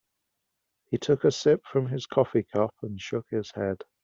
He took a sip from his coffee cup and shook his head.